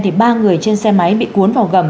thì ba người trên xe máy bị cuốn vào gầm